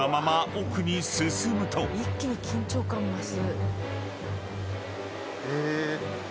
一気に緊張感増す。